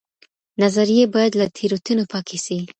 نظريې بايد له تېروتنو پاکي سي.